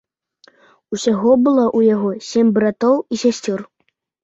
Усяго было ў яго сем братоў і сясцёр.